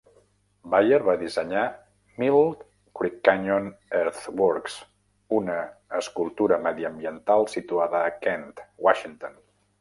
Bayer va dissenyar Mill Creek Canyon Earthworks, una escultura mediambiental situada a Kent, Washington.